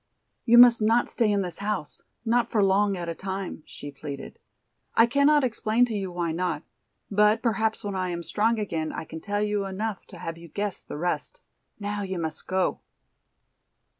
"You must not stay in this house, not for long at a time," she pleaded. "I cannot explain to you why not, but perhaps when I am strong again I can tell you enough to have you guess the rest. Now you must go."